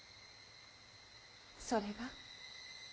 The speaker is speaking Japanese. それが？